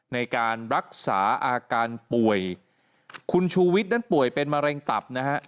ในการรักษาอาการป่วยคุณชูวิทย์นั้นป่วยเป็นมะเร็งตับนะฮะ